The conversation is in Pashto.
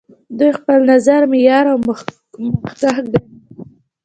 دوی خپل نظر معیار او محک ګڼي.